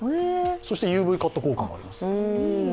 ＵＶカット効果もあります。